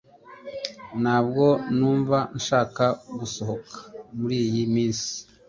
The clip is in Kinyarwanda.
Ntabwo numva nshaka gusohoka muriyi minsi